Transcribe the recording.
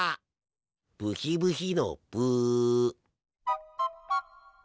ブヒブヒのブ。